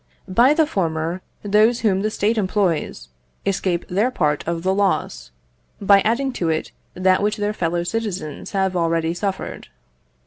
By the former, those whom the State employs, escape their part of the loss, by adding it to that which their fellow citizens have already suffered.